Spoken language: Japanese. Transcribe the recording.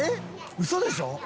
ウソでしょ？